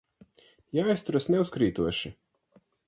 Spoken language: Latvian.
Jāizturas neuzkrītoši.